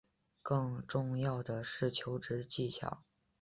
更重要的是求职技巧